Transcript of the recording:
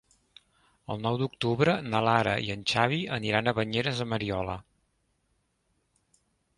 El nou d'octubre na Lara i en Xavi aniran a Banyeres de Mariola.